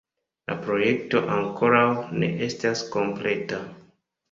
La projekto ankoraŭ ne estas kompleta.